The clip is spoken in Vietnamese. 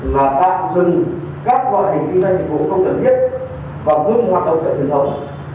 mà tạm dừng các hoạt hình kinh doanh nhiệm vụ không cần thiết và vững hoạt động trận truyền thống